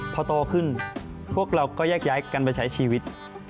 พอโตขึ้นพวกเราก็แยกย้ายกันไปใช้ชีวิต